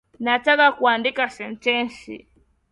Nataka kuandika sentensi